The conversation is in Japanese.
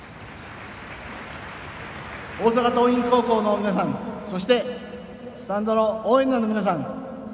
大阪桐蔭高校の皆さんそしてスタンドの応援団の皆さん